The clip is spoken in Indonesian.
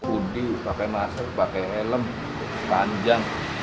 udi pakai masker pakai helm panjang